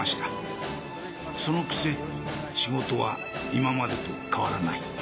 そのくせ仕事は今までと変わらない。